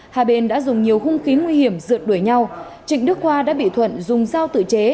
hạ bên đã dùng nhiều hung khí nguy hiểm dượt đuổi nhau trịnh đức khoa đã bị thuận dùng dao tự chế